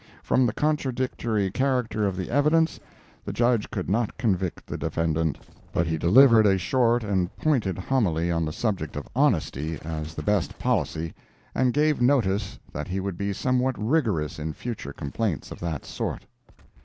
From the contradictory character of the evidence, the Judge could not convict the defendant, but he delivered a short and pointed homily on the subject of honesty, as the best policy, and gave notice that he would be somewhat rigorous in future complaints of that sort.